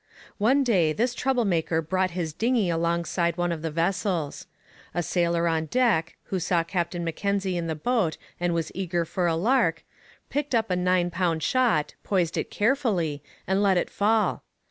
One day this trouble maker brought his dinghy alongside one of the vessels. A sailor on deck, who saw Captain Mackenzie in the boat and was eager for a lark, picked up a nine pound shot, poised it carefully, and let it fall.